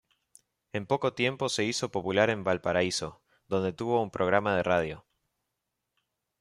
En poco tiempo se hizo popular en Valparaíso, donde tuvo un programa de radio.